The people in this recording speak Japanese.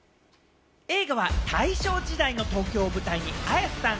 映画は大正時代の東京を舞台に、綾瀬さん